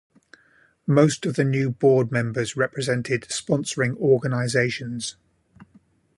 Most of the new board members represented sponsoring organizations.